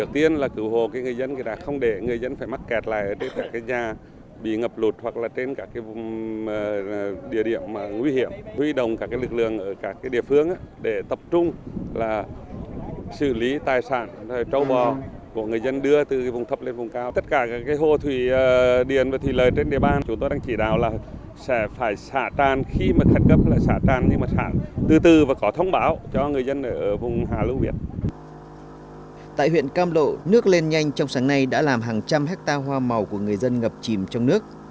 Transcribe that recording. tại huyện cam lộ nước lên nhanh trong sáng nay đã làm hàng trăm hecta hoa màu của người dân ngập chìm trong nước